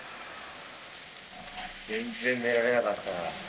全然寝られなかった。